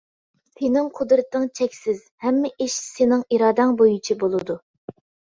سېنىڭ قۇدرىتىڭ چەكسىز، ھەممە ئىش سېنىڭ ئىرادەڭ بويىچە بولىدۇ.